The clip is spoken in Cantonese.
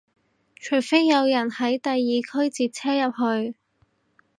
除非有人喺第二區截車入去